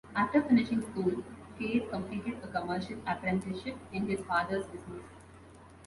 After finishing school, Kade completed a commercial apprenticeship in his father's business.